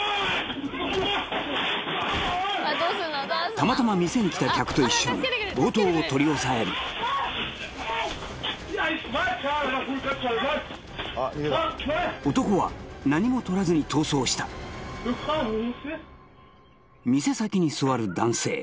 たまたま店に来た客と一緒に強盗を取り押さえる男は何もとらずに逃走した店先に座る男性